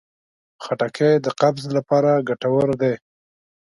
خټکی د قبض لپاره ګټور دی.